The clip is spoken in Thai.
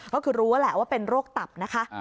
ก็คือรู้แหละว่าเป็นโรคตับนะคะ